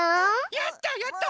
やったやった！